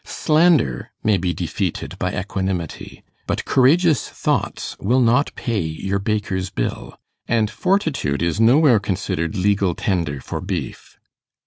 Slander may be defeated by equanimity; but courageous thoughts will not pay your baker's bill, and fortitude is nowhere considered legal tender for beef.